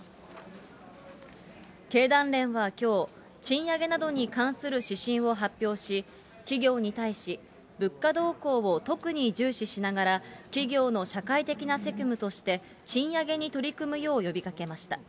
経団連はきょう、賃上げなどに関する指針を発表し、企業に対し物価動向を特に重視しながら、企業の社会的な責務として、賃上げに取り組むよう呼びかけました。